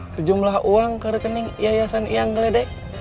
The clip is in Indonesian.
sejumlah uang ke rekening yayasan iyeng gledek